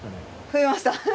増えました。